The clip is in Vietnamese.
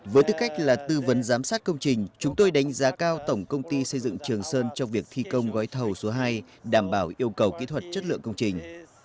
với tư cách là tư vấn giám sát công trình chúng tôi đánh giá cao tổng công ty xây dựng trường sơn trong việc thi công gói thầu số hai đảm bảo yêu cầu kỹ thuật chất lượng công trình